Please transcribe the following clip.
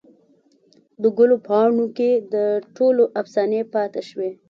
دګلو پاڼوکې دټولو افسانې پاته شوي